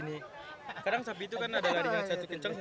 susah tergantung selain kuda tebiasa si aman gitu